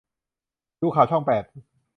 ดูข่าวช่องแปด